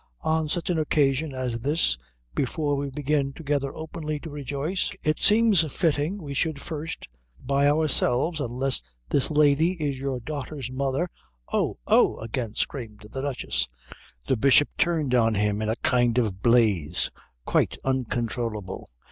"On such an occasion as this, before we begin together openly to rejoice it seems fitting we should first by ourselves, unless this lady is your daughter's mother " "Oh, oh!" again screamed the Duchess. The Bishop turned on him in a kind of blaze, quite uncontrollable.